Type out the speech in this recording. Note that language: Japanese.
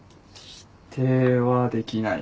否定はできないな。